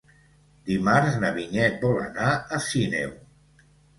Dimarts na Vinyet vol anar a Sineu.